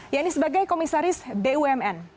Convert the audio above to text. yaitu sebagai komisaris bumn